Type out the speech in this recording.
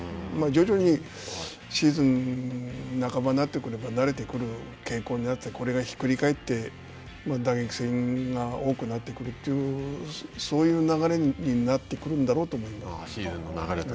徐々にシーズン半ばになってくれば慣れてくる傾向になってこれがひっくり返って打撃戦が多くなってくるというそういう流れになってくるんだろうと思います。